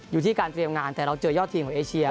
อยู่ที่การเตรียมงานแต่เราเจอยอดทีมของเอเชีย